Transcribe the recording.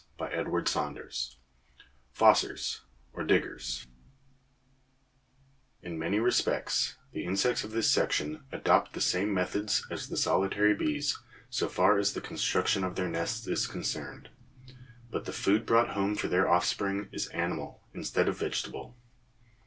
THE FOSSORS OR DIGGERS In many respects the insects of this section adopt the same methods as the solitary bees so far as the construction of their nests is concerned, but the food brought home for their offspring is animal instead of vegetable.